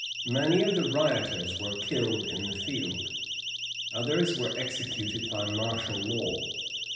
Many of the rioters were killed in the field: others were executed by martial law.